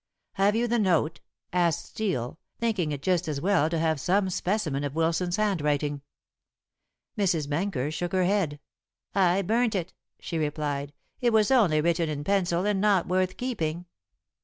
"Have you the note?" asked Steel, thinking it just as well to have some specimen of Wilson's handwriting. Mrs. Benker shook her head. "I burnt it," she replied; "it was only written in pencil and not worth keeping.